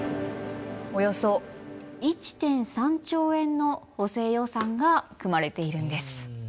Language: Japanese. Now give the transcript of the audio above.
およそ１．３兆円の補正予算が組まれているんです。